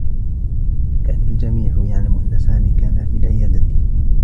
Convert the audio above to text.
كان الجميع يعلم أنّ سامي كان في العيادة.